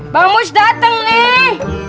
bang mus dateng nih